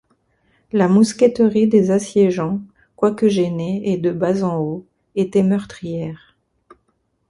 La mousqueterie des assiégeants, quoique gênée et de bas en haut, était meurtrière.